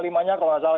kalau enggak salah